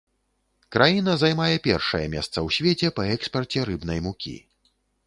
Краіна займае першае месца ў свеце па экспарце рыбнай мукі.